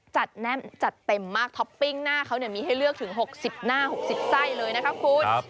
แน่นจัดเต็มมากท็อปปิ้งหน้าเขามีให้เลือกถึง๖๐หน้า๖๐ไส้เลยนะคะคุณ